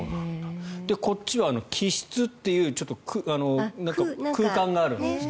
こっちは気室という空間があるんですって。